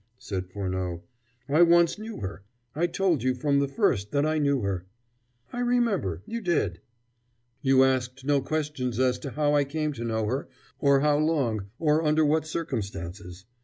said Furneaux. "I once knew her. I told you from the first that I knew her." "I remember: you did." "You asked no questions as to how I came to know her, or how long, or under what circumstances.